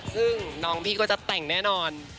ซึ่งน้องพี่ก็จะแต่งแน่นอน